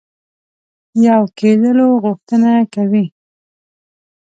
یو کېدلو غوښتنه کوي.